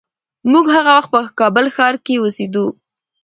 موږ هغه وخت په کابل ښار کې اوسېدو.